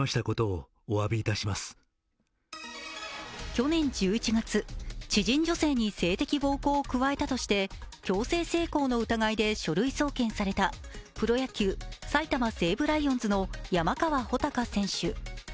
去年１１月、知人女性に性的暴行を加えたとして強制性交の疑いで書類送検されたプロ野球・埼玉西武ライオンズの山川穂高選手。